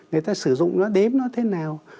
người ta sử dụng nó đếm nó thế nào